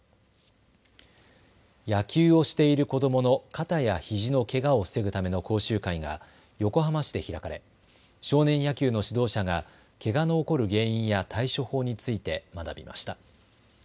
野球をしている子どもの肩やひじのけがを防ぐための講習会が横浜市で開かれ、少年野球の指導者がけがの起こる原因や対処法について学びました。